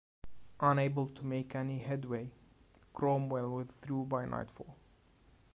Unable to make any headway, Cromwell withdrew by nightfall.